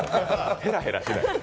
ヘラヘラしない。